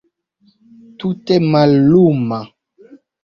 Tute malluma.